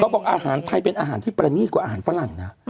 บอกอาหารไทยเป็นอาหารที่ประณีตกว่าอาหารฝรั่งนะ